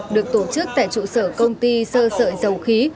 được tổ chức tại trụ sở công ty sơ sợi dầu khí